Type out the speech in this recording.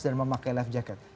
dan memakai life jacket